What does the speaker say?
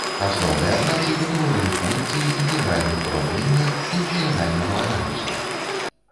Асноўныя працы па тэорыі функцый, інтэгральных ураўненнях, функцыянальнаму аналізу.